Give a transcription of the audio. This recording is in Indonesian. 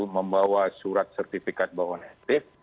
membawa surat sertifikat bahwa on active